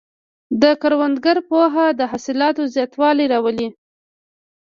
د کروندګر پوهه د حاصلاتو زیاتوالی راولي.